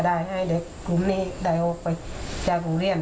แต่ว่าแม่เด็กบอกว่าไม่ยินยอม